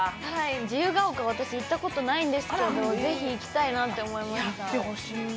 自由が丘、私、行ったことがないんですけど、ぜひ行きたいなと思いました。